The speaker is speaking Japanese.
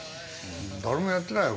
誰もやってないよ